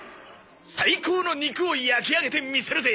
最高の肉を焼き上げてみせるぜ！